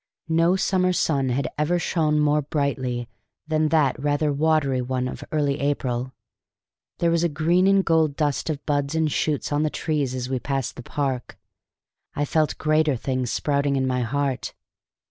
No summer sun had ever shone more brightly than that rather watery one of early April. There was a green and gold dust of buds and shoots on the trees as we passed the park. I felt greater things sprouting in my heart.